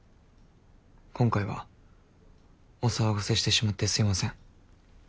今回はお騒がせしてしまってすみません。